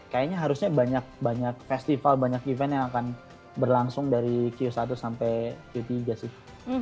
kayaknya harusnya banyak banyak festival banyak event yang akan berlangsung dari q satu sampai q tiga sih